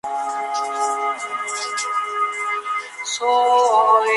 Su destierro se convirtió en una verdadera saga.